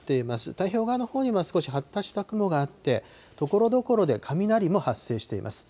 太平洋側のほうには少し発達した雲があって、ところどころで雷も発生しています。